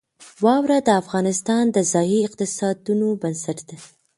واوره د افغانستان د ځایي اقتصادونو بنسټ دی.